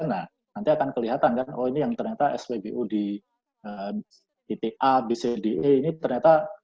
nah nanti akan kelihatan kan oh ini yang ternyata spbu di ita bcde ini ternyata